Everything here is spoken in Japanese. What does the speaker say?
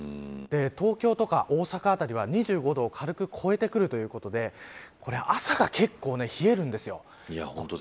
東京とか大阪辺りは２５度を軽く超えてくるということで朝が結構冷えるんですよ。